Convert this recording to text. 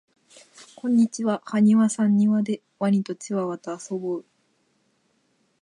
こんにちははにわさんにわでワニとチワワとあそぼう